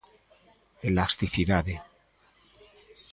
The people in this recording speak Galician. Elasticidade.